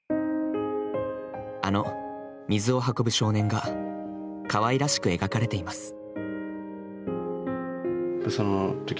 あの「水を運ぶ少年」がかわいらしく描かれています。